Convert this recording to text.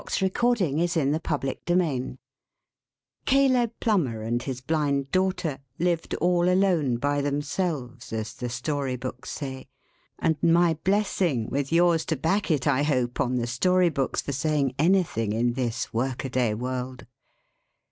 [Illustration: CHIRP THE SECOND] CALEB Plummer and his Blind Daughter lived all alone by themselves, as the Story Books say and my blessing, with yours to back it I hope, on the Story books, for saying anything in this workaday world!